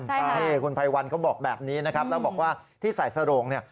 ใช่คุณภัยวันเขาบอกแบบนี้นะครับแล้วบอกว่าที่ใส่สโรงเนี่ย